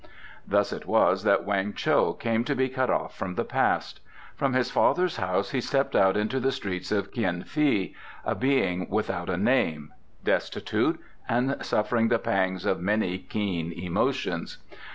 Thus it was that Weng Cho came to be cut off from the past. From his father's house he stepped out into the streets of Kien fi a being without a name, destitute, and suffering the pangs of many keen emotions.